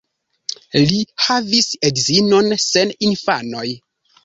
Li havis edzinon sen infanoj.